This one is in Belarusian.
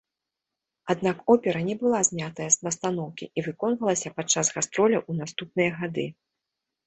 Аднак опера не была знятая з пастаноўкі і выконвалася падчас гастроляў у наступныя гады.